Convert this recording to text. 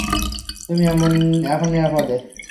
তুমি এখন নিরাপদে।